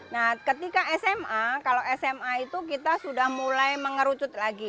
nah ketika sma kalau sma itu kita sudah mulai mengerucut lagi